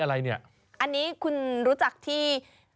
อันนี้คุณรู้จักที่